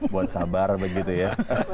buat sabar begitu ya